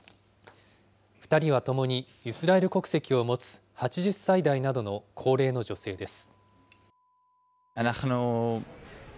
２人はともにイスラエル国籍を持つ８０歳代などの高齢の女性です。